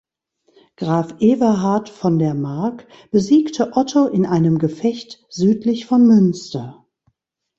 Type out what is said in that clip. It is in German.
Graf Everhard von der Mark besiegte Otto in einem Gefecht südlich von Münster.